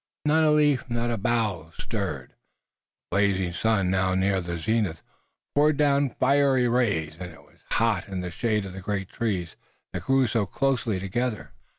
Not a leaf, not a bough stirred. The blazing sun, now near the zenith, poured down fiery rays and it was hot in the shade of the great trees that grew so closely together.